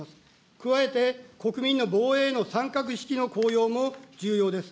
加えて、国民の防衛の参画意識の高揚も重要です。